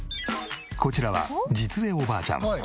こちらは實枝おばあちゃん。